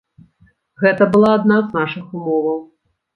Гэта была адна з нашых умоваў.